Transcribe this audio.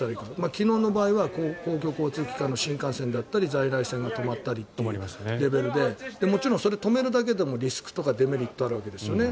昨日の場合は公共交通機関の新幹線や在来線が止まったりというレベルでもちろんそれを止めるだけでもリスクとかデメリットがあるわけですよね。